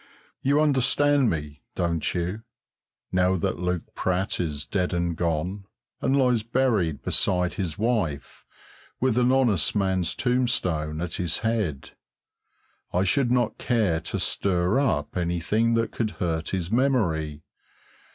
You understand me, don't you? Now that Luke Pratt is dead and gone, and lies buried beside his wife, with an honest man's tombstone at his head, I should not care to stir up anything that could hurt his memory.